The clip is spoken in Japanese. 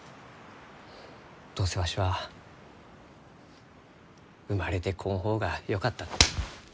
どうせわしは生まれてこん方がよかった。